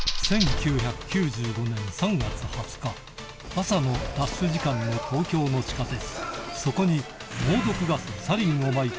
朝のラッシュ時間の東京の地下鉄